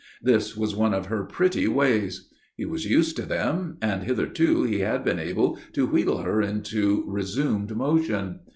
This was one of her pretty ways. He was used to them, and hitherto he had been able to wheedle her into resumed motion.